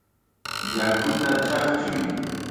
¡Yakuta chaqchuy!